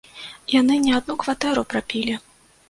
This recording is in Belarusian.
Яны не адну кватэру прапілі!